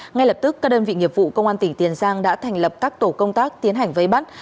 ngay lập tức các đơn vị nghiệp vụ công an tỉnh tiền giang đã thành lập các tổ công tác tiến hành vây bắt